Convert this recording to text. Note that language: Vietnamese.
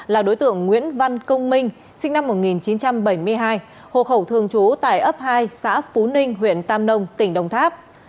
là đối tượng nguyễn văn công minh sinh năm một nghìn chín trăm bảy mươi hai hộ khẩu thường trú tại ấp hai xã phú ninh huyện tam nông tỉnh đồng tháp